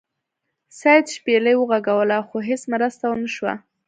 سید شپیلۍ وغږوله خو هیڅ مرسته ونه شوه.